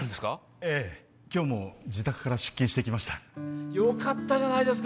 ええ今日も自宅から出勤してきましたよかったじゃないですか